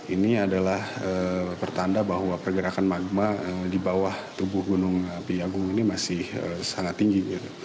ini adalah pertanda bahwa pergerakan magma di bawah tubuh gunung api agung ini masih sangat tinggi